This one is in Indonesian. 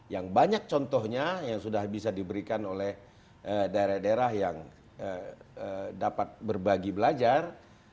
yang banyak contohnya yang sudah bisa diberikan oleh daerah daerah yang dapat berbagi belajar